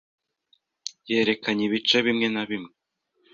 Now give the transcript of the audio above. yerekanye ibice bimwe na bimwe